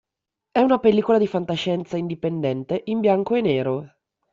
È una pellicola di fantascienza indipendente in bianco e nero.